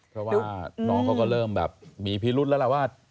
เพราะว่าน้องเขาก็เริ่มแบบมีพิรุษแล้วล่ะว่า